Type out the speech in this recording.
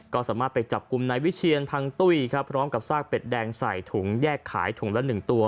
ก็สามารถไปจับกลุ่มนายวิเชียนพังตุ้ยครับพร้อมกับซากเป็ดแดงใส่ถุงแยกขายถุงละหนึ่งตัว